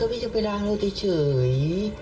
ไม่ก็พี่จะไปล้างรถเฉย